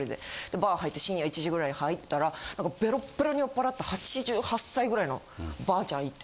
バー入って深夜１時ぐらいに入ったらベロッベロに酔っぱらった８８歳ぐらいの婆ちゃんいて。